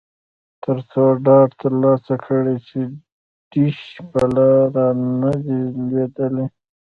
ترڅو ډاډ ترلاسه کړي چې ډیش په لاره نه دی لویدلی